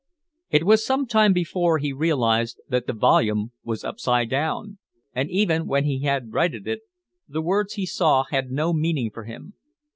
It was some time before he realised that the volume was upside down, and even when he had righted it, the words he saw had no meaning for him.